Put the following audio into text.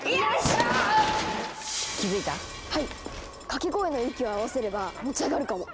掛け声の息を合わせれば持ち上がるかも！